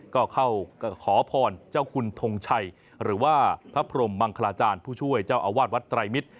ก็เข้าขอพรเจ้าคุณทงชัยหรือว่าพระพรมมังคลาจารย์ผู้ช่วยเจ้าอาวาสวัดไตรมิตร